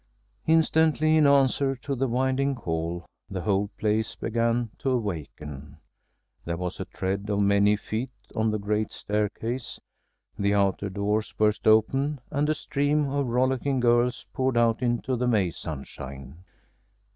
Instantly, in answer to the winding call, the whole place began to awaken. There was a tread of many feet on the great staircase, the outer doors burst open, and a stream of rollicking girls poured out into the May sunshine.